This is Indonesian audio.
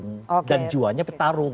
nah itu memang petarung dan jiwanya petarung